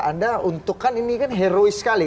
anda untukkan ini kan herois sekali